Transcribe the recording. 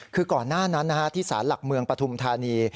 คือก่อนหน้านั้นที่สารหลักเมืองปฐุมธานี